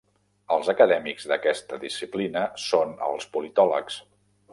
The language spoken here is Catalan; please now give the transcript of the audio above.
Els acadèmics d'aquesta disciplina són els politòlegs.